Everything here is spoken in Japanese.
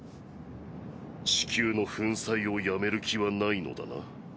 地球の粉砕をやめる気はないのだな？